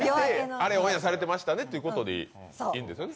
あれ、オンエアされてましたねってことでいいんですよね。